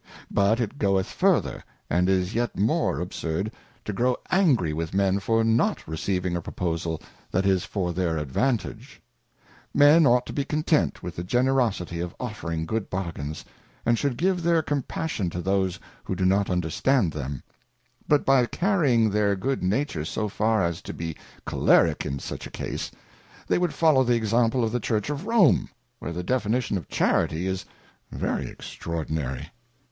But it goeth further and is yet more absurd, to grow angry with men for not receiving a proposal that is for their advantage ; Men ought to be content with the Generosity of ofering good bargains, and should give their compassion to those who do not understand them : but by carrying their good nature so far as to be Cholerick in such a case, they would follow the example of the Church of Rome, where the definition of Charity is very extraordinary.